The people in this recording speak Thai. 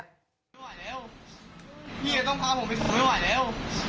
พี่จะต้องพาผมไปส่งไม่ไหวแล้ว